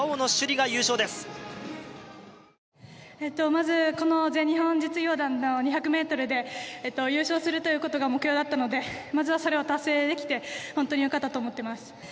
まずこの全日本実業団の２００ｍで優勝するということが目標だったのでまずはそれを達成できてホントによかったと思ってます